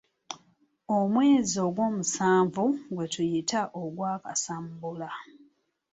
Omwezi ogw'omusanvu gwetuyita ogwa kasambula.